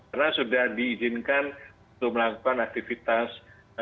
karena sudah diizinkan untuk melakukan aktivitas